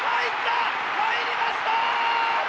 入りました！